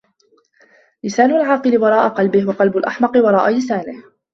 لســان العاقل وراء قلبــه. وقلب الأحـمق وراء لســانه: